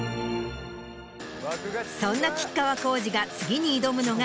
そんな吉川晃司が次に挑むのが。